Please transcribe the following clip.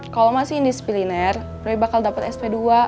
kalau masih indisipliner roy bakal dapet sp dua